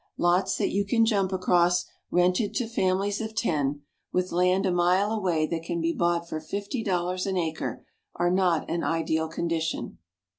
Lots that you can jump across, rented to families of ten, with land a mile away that can be bought for fifty dollars an acre, are not an ideal condition.